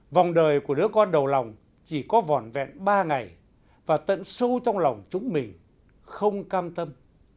vòng đời của đứa con đầu lòng chỉ có vỏn vẹn ba ngày và tận sâu trong lòng chúng mình không cam tâm